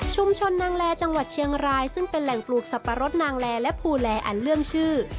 นางแลจังหวัดเชียงรายซึ่งเป็นแหล่งปลูกสับปะรดนางแลและภูแลอันเรื่องชื่อ